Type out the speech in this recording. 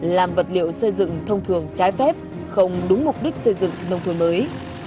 làm vật liệu xây dựng thông thường trái phép không đúng mục đích xây dựng nông thôn mới